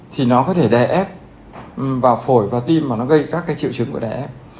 thì nó có thể đè ép vào phổi và tim mà nó gây các cái triệu chứng của đè ép